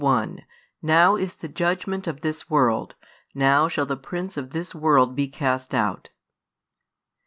|156 31 Now is the judgment of this world: now shall the prince of this world be cast out.